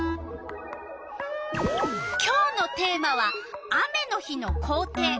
今日のテーマは「雨の日の校庭」。